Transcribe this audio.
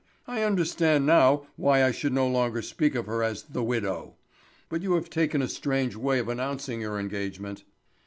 I understand now why I should no longer speak of her as 'the widow.' But you have taken a strange way of announcing your engagement."